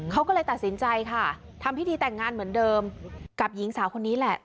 เขาก็เลยตัดสินใจค่ะทำพิธีแต่งงานเหมือนเดิมกับหญิงสาวคนนี้แหละ